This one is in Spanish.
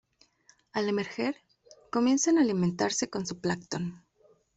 Al emerger, comienzan a alimentarse con zooplancton.